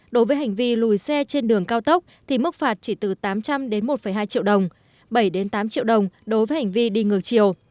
đối với hành vi lùi xe trên đường cao tốc thì mức phạt chỉ từ tám trăm linh đến một hai triệu đồng bảy tám triệu đồng đối với hành vi đi ngược chiều